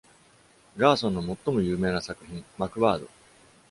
ガーソンの最も有名な作品、マクバード！